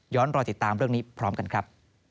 รอติดตามเรื่องนี้พร้อมกันครับ